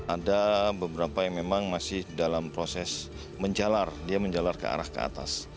ada beberapa yang memang masih dalam proses menjalar dia menjalar ke arah ke atas